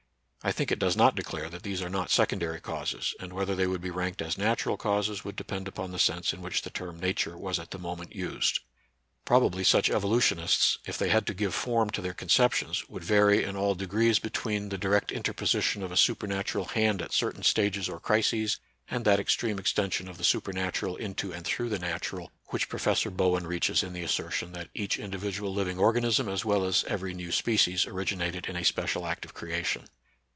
I think it does not declare that these are not secondary causes, and whether they would be ranked as natural causes would depend upon the sense in which the term Nature was at the moment used. Probably such evo lutionists, if they had to give form to their con ceptions, would vary in all degrees between 82 NATURAL SCIENCE AND RELIGION. the direct interposition of a superAatural hand at certain stages or crises, and that extreme extension of the Supernatural into and through the Natural which Professor Bowen reaches in the assertion that each individual living organism, as well as every new species, origi nated in a special act of creation.